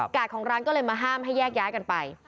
ของร้านก็เลยมาห้ามให้แยกย้ายกันไป